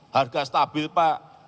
harga stabil pak